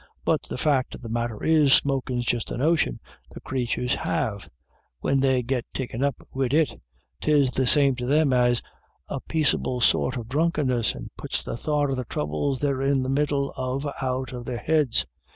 But the fact of the matter is, smokin's just a notion the crathurs have; when they git taken up wid it, 'tis the same to them as a paiceable sort of drunkness, and puts the thought of the throubles they're in the middle of out of their heads.